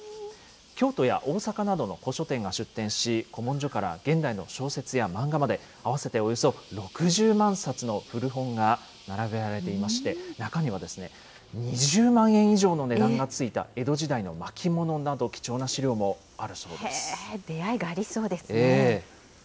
京都や大阪などの古書店が出店し、古文書から現代の小説や漫画まで、合わせておよそ６０万冊の古本が並べられていまして、中には２０万円以上の値段がついた江戸時代の巻物など、貴重な資料もあるそうです。